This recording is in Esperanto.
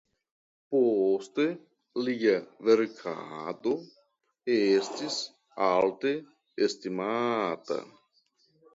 Poste lia verkado estis alte estimata.